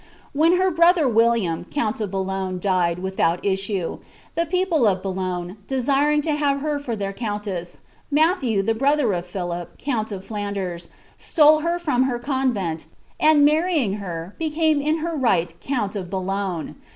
When her brother William, count of Boulogne, died without issue, the people of Boulogne, desiring to have her for their countess, Matthew, the brother of PhiUp, count of Flanders, stole her from her convent, and, marrying her, became in her right count of Boulogne.